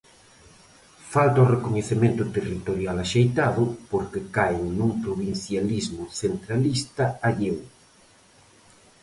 Falta o recoñecemento territorial axeitado porque caen nun provincialismo centralista alleo.